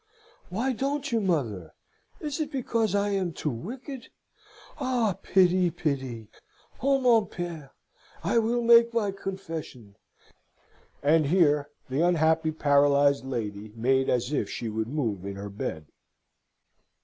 Why don't you, mother? Is it because I am too wicked? Ah! Pitie, pitie. O mon pere! I will make my confession" and here the unhappy paralysed lady made as if she would move in her bed.